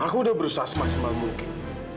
aku udah berusaha semaksimal mungkin